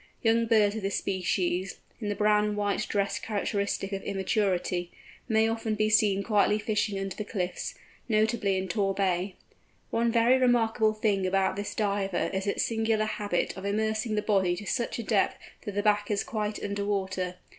Young birds of this species, in the brown and white dress characteristic of immaturity, may often be seen quietly fishing under the cliffs, notably in Tor Bay. One very remarkable thing about this Diver is its singular habit of immersing the body to such a depth that the back is quite under water.